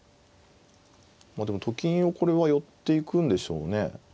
まあでもと金をこれは寄っていくんでしょうね。